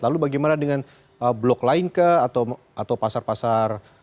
lalu bagaimana dengan blok lain kah atau pasar pasar